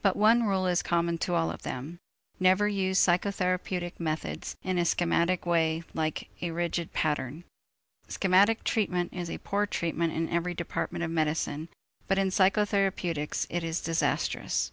But one rule is common to all of them: never use psychotherapeutic methods in a schematic way like a rigid pattern. Schematic treatment is a poor treatment in every department of medicine, but in psychotherapeutics it is disastrous.